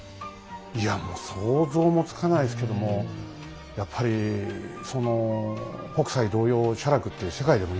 いやもう想像もつかないですけどもやっぱりその北斎同様写楽って世界でも有名ですもんね。